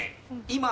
今。